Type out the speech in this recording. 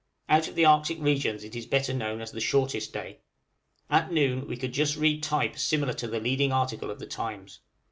Out of the Arctic regions it is better known as the shortest day. At noon we could just read type similar to the leading article of the 'Times.'